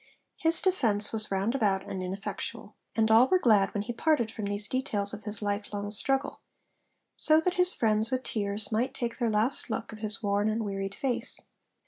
His defence was roundabout and ineffectual; and all were glad when he parted from these details of his long life struggle, so that his friends, with tears, might take their last look of his worn and wearied face.